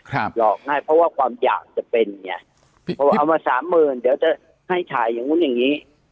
หลอกง่ายเพราะว่าความอยากจะเป็นไงพอเอามาสามหมื่นเดี๋ยวจะให้ถ่ายอย่างนู้นอย่างนี้